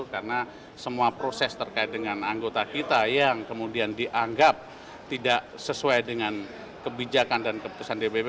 karena semua proses terkait dengan anggota kita yang kemudian dianggap tidak sesuai dengan kebijakan dan keputusan dpp